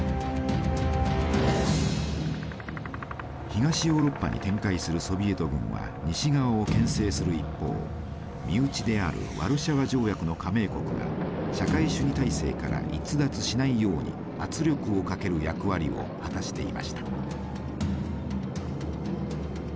東ヨーロッパに展開するソビエト軍は西側を牽制する一方身内であるワルシャワ条約の加盟国が社会主義体制から逸脱しないように圧力をかける役割を果たしていました。